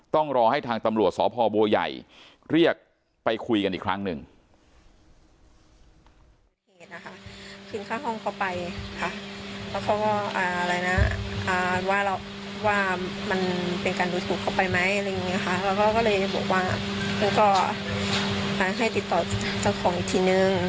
ต้องรอให้ทางตำรวจสพบัวใหญ่เรียกไปคุยกันอีกครั้งหนึ่ง